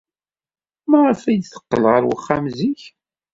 Maɣef ay d-teqqel ɣer wexxam zik?